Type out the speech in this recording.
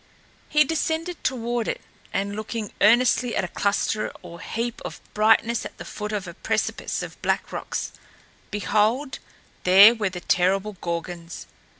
He descended toward it, and looking earnestly at a cluster or heap of brightness at the foot of a precipice of black rocks, behold, there were the terrible Gorgons!